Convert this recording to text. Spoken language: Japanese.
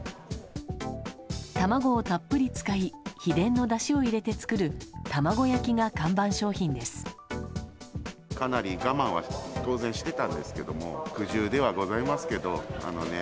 卵をたっぷり使い秘伝のだしを入れて作る玉子焼きが看板商品です。